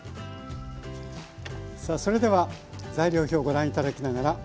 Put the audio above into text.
さあそれでは材料表をご覧頂きながらおさらいしましょう。